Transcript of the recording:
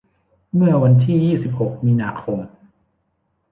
เมื่อวันที่ยี่สิบหกมีนาคม